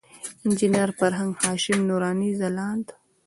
انجینر فرهنګ، هاشم نوراني، ځلاند.